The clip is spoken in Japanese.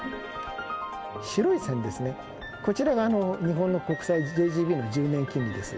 白い線ですね、こちらが日本の国債１０年金利です。